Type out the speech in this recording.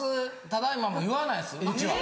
「ただいま」も言わないですうちは。